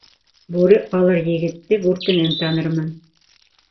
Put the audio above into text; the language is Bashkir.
Бүре алыр егетте бүркенән танырмын.